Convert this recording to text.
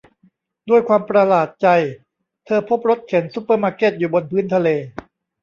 ด้วยความประหลาดใจเธอพบรถเข็นซุปเปอร์มาร์เก็ตอยู่บนพื้นทะเล